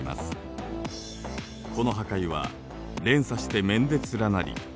この破壊は連鎖して面で連なり